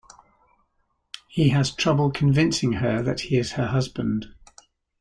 He has trouble convincing her that he is her husband.